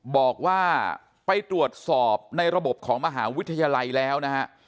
บอกว่าไปตรวจสอบในระบบของมหาวิทยาลัยแล้วนะฮะ